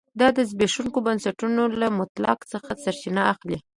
دا د زبېښونکو بنسټونو له منطق څخه سرچینه اخلي